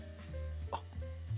あっ。